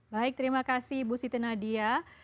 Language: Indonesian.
baik terima kasih bu siti nadia